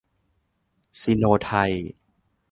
ซิโนไทย